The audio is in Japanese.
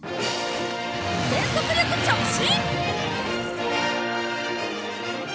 全速力直進！